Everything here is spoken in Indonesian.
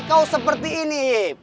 kau seperti ini